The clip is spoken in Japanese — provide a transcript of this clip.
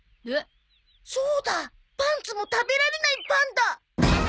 そうだパンツも食べられないパンだ。